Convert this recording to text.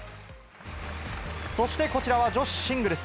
そしてこちらは女子シングルス。